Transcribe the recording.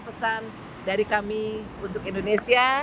pesan dari kami untuk indonesia